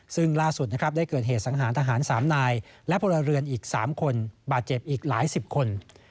ซึ่งล่าสุดนะครับได้เกิดเหตุสังหารทหาร๓นายและพลเรือนอีก๓คนบาดเจ็บอีกหลายสิบคน